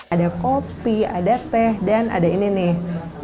ada kopi ada teh dan ada ini nih